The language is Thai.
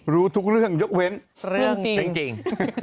เรื่องจริง